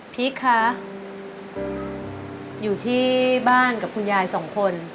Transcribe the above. คะอยู่ที่บ้านกับคุณยายสองคน